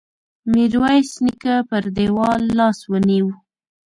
ميرويس نيکه پر دېوال لاس ونيو.